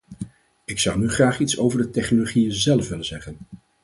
Ik zou nu graag iets over de technologieën zelf willen zeggen.